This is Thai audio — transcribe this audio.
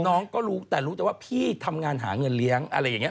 น้องก็รู้แต่รู้แต่ว่าพี่ทำงานหาเงินเลี้ยงอะไรอย่างนี้